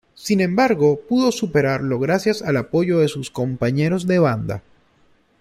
Sin embargo, pudo superarlo gracias al apoyo de sus compañeros de banda.